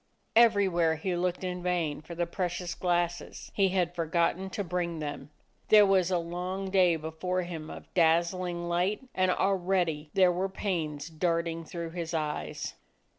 Everywhere he looked in vain for the precious glasses. He had for gotten to bring them! There was a long day before him of dazzling light, and already there were pains darting through his eyes.